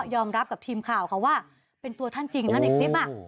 อมรับกับทีมข่าวค่ะว่าเป็นตัวท่านจริงนะในคลิป